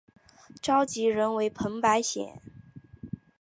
召集人为彭百显。